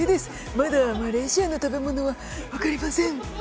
まだマレーシアの食べ物は分かりません。